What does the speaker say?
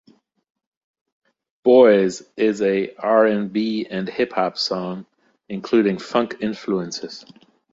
"Boys" is a R and B and hip hop song, including funk influences.